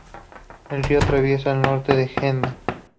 El río atraviesa el norte de Henan.